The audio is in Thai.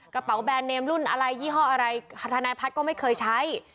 กระเป๋าแบรนดเนมรุ่นอะไรยี่ห้ออะไรทนายพัฒน์ก็ไม่เคยใช้